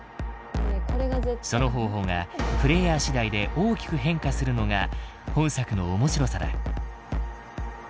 その方法がプレイヤーしだいで大きく変化するのが本作のおもしろさだ。